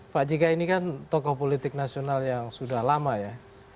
pak jk ini kan tokoh politik nasional yang sudah lama ya